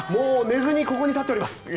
寝ずにここに立っております。